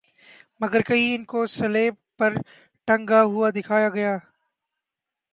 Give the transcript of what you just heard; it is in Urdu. مگر کہیں انکو صلیب پر ٹنگا ہوا دکھایا گیا